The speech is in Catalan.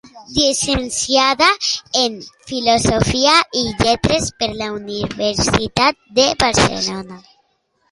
Llicenciada en filosofia i lletres per la Universitat de Barcelona.